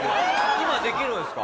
今できるんですか？